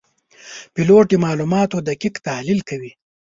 پیلوټ د معلوماتو دقیق تحلیل کوي.